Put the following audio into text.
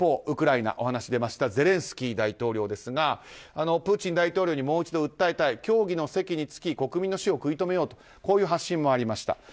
そしてゼレンスキー大統領ですがプーチン大統領にもう一度訴えたい協議の席に着き国民の死を食い止めようとこういう発信もありました。